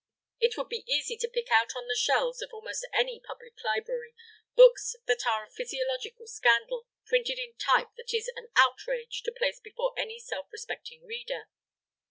It would be easy to pick out on the shelves of almost any public library books that are a physiological scandal, printed in type that it is an outrage to place before any self respecting reader.